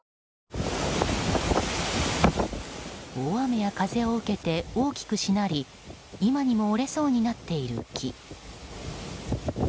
大雨や風を受けて大きくしなり今にも折れそうになっている木。